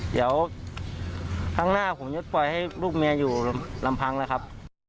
เดี๋ยวครั้งหน้าผมจะปล่อยให้ลูกเมียอยู่ลำพังเลยครับ